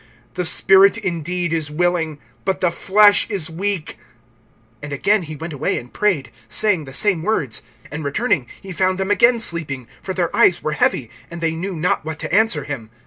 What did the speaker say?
The spirit indeed is willing, but the flesh is weak. (39)And again he went away and prayed, saying the same words. (40)And returning, he found them again sleeping, for their eyes were heavy; and they knew not what to answer him.